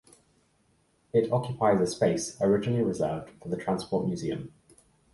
It occupies a space originally reserved for the Transport Museum.